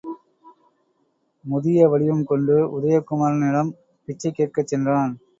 முதிய வடிவம் கொண்டு உதய குமரனிடம் பிச்சை கேட்கச் சென்றான்.